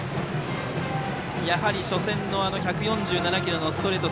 やはり初戦の１４７キロのストレート